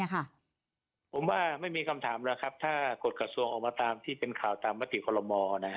ผมว่าไม่มีคำถามแล้วครับถ้ากฎกระทรวงออกมาตามที่เป็นข่าวตามมติคอลโลมอ